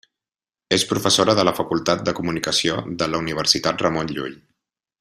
És professora de la Facultat de Comunicació de la Universitat Ramon Llull.